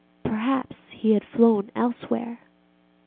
. perhaps he had flown elsewhere.